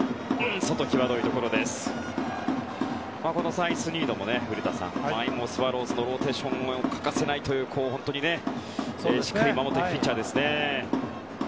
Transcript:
サイスニードも、古田さんスワローズのローテーションに欠かせないという、しっかり守っているピッチャーですね。